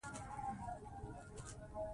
بادي انرژي د افغانستان د ملي هویت نښه ده.